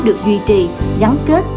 được duy trì giám kết